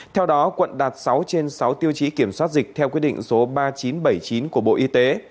theo đó quận đạt sáu trên sáu tiêu chí kiểm soát dịch theo quyết định số ba nghìn chín trăm bảy mươi chín của bộ y tế